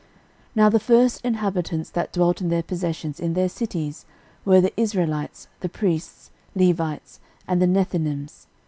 13:009:002 Now the first inhabitants that dwelt in their possessions in their cities were, the Israelites, the priests, Levites, and the Nethinims.